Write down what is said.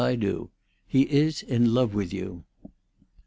do. He is in love with you."